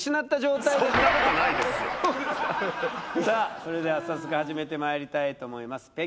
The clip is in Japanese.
さあそれでは早速始めてまいりたいと思います